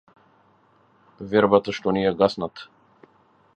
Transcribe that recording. Вербата што ни ја гаснат.